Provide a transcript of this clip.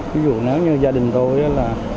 ví dụ nếu như gia đình tôi là